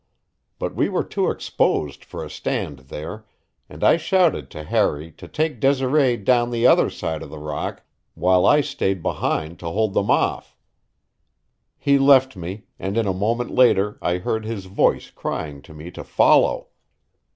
But we were too exposed for a stand there, and I shouted to Harry to take Desiree down the other side of the rock while I stayed behind to hold them off. He left me, and in a moment later I heard his voice crying to me to follow.